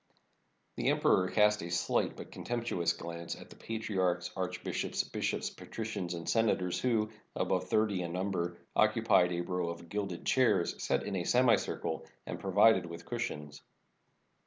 The emperor cast a slight but contemptuous glance at the patriarchs, archbishops, bishops, patricians, and senators, who, above thirty in number, occupied a row of gilded chairs set in a semicircle and provided with cushions.